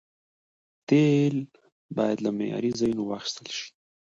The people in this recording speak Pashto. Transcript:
تیل باید له معياري ځایونو واخیستل شي.